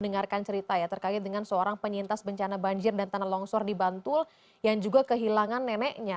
dengarkan cerita ya terkait dengan seorang penyintas bencana banjir dan tanah longsor di bantul yang juga kehilangan neneknya